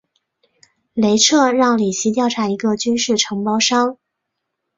雷彻让里奇调查一个军事承包商。